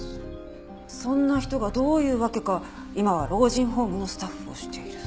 そんな人がどういうわけか今は老人ホームのスタッフをしている。